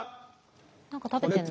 何か食べてんな。